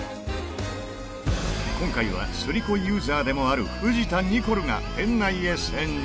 今回はスリコユーザーでもある藤田ニコルが店内へ潜入